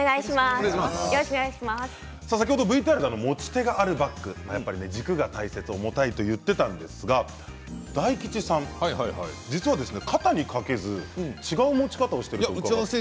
先ほどＶＴＲで持ち手があるバッグ軸が大切、重たいといっていたんですが大吉さん、肩にかけず違う持ち方をしているそうですね。